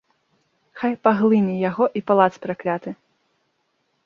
Хай паглыне яго і палац пракляты!